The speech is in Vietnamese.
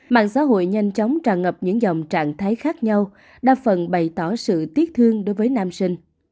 mạng xã hội nhanh chóng tràn ngập những dòng trạng thái khác nhau đa phần bày tỏ sự tiếc thương đối với nam sinh